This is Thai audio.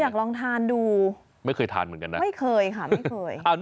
อยากลองทานดูไม่เคยทานเหมือนกันนะไม่เคยค่ะไม่เคย